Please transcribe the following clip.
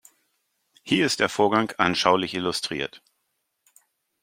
Hier ist der Vorgang anschaulich illustriert.